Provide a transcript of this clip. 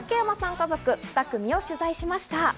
家族２組を取材しました。